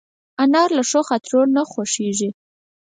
انا له ښو خاطرو نه خوښېږي